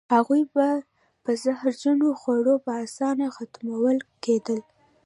هغوی به په زهرجنو خوړو په اسانه ختمول کېدل.